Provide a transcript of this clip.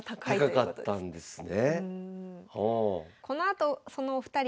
高かったんですね。